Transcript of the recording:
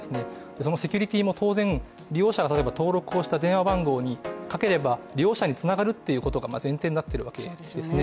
そのセキュリティーも当然、利用者が登録した電話番号にかければ利用者につながるということが前提になっているわけですね。